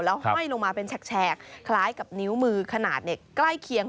ห้อยลงมาเป็นแฉกคล้ายกับนิ้วมือขนาดใกล้เคียง